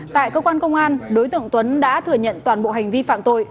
tại cơ quan công an đối tượng tuấn đã thừa nhận toàn bộ hành vi phạm tội